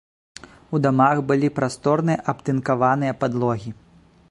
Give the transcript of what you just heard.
У дамах былі прасторныя абтынкаваныя падлогі.